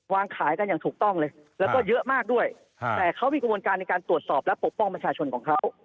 วางขายกันอย่างถูกต้องเลยแล้วก็เยอะมากด้วยแต่เขามีกระบวนการในการตรวจสอบและปกป้องประชาชนของเขา